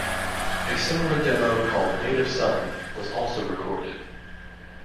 A similar demo called "Native Son" was also recorded.